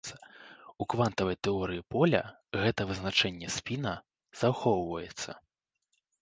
У квантавай тэорыі поля гэта вызначэнне спіна захоўваецца.